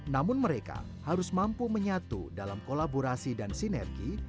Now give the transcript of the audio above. namun mereka harus mampu menyatu dalam kolaborasi dan sinergi